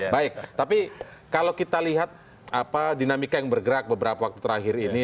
baik tapi kalau kita lihat apa dinamika yang bergerak beberapa waktu terakhir ini